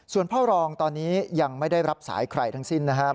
ส่วนพ่อรองตอนนี้ยังไม่ได้รับสายใครทั้งสิ้นนะครับ